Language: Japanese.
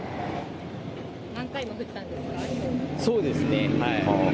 何回も降ったんですか、そうですね。